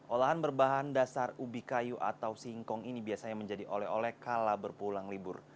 olahan berbahan dasar ubi kayu atau singkong ini biasanya menjadi oleh oleh kala berpulang libur